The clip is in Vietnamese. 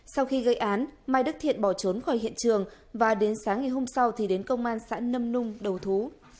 sau khi gây án mai đức thiện bỏ trốn khỏi hiện trường và đến sáng ngày hôm sau thì đến công an xã nâm nung đầu thú